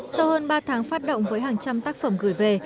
sau hơn ba tháng phát động với hàng trăm tác phẩm gửi về